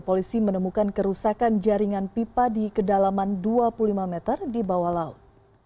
polisi menemukan kerusakan jaringan pipa di kedalaman dua puluh lima meter di bawah laut